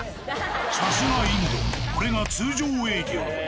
さすがインド、これが通常営業。